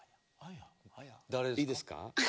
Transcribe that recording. いいですか。